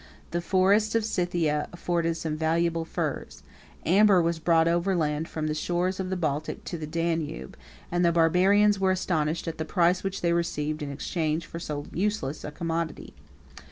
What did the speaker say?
The forests of Scythia afforded some valuable furs. Amber was brought over land from the shores of the Baltic to the Danube; and the barbarians were astonished at the price which they received in exchange for so useless a commodity.